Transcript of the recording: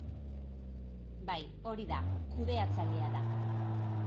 Bai, hori da, kudeatzailea da.